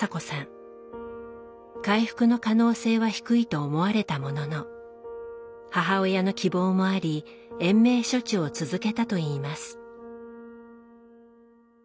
回復の可能性は低いと思われたものの母親の希望もあり延命処置を続けたといいます。